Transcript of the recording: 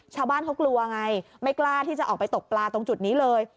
ชาวบ้านเขากลัวไงไม่กล้าที่จะออกไปตกปลาตรงจุดนี้เลย